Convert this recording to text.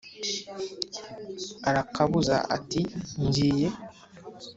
Arakabuza ati: ngiye